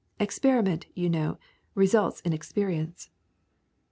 Experiment, you know, results in experience.